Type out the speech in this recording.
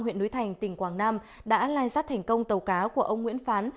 huyện núi thành tỉnh quảng nam đã lai sát thành công tàu cá của ông nguyễn phán